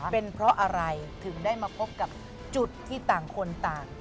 เป็นเพราะอะไรถึงได้มาพบกับจุดที่ต่างคนต่าง